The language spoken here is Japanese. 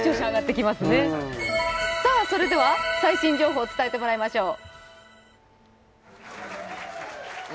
それでは最新情報を伝えてもらいましょう。